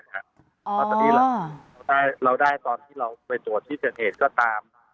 เพราะตอนนี้เราได้ตอนที่เราไปตรวจที่เกิดเหตุก็ตาม